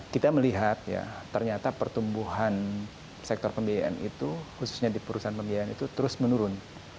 kita melihat ya ternyata pertumbuhan sektor pembiayaan itu khususnya di perusahaan pembiayaan itu terus menurun